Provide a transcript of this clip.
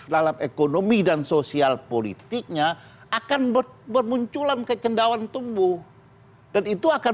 dalam ekonomi dan sosial politiknya akan berbunculan kekendawan tumbuh dan itu akan